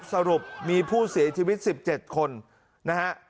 สรุปมีผู้เสียชีวิต๑๗คนนะฮะ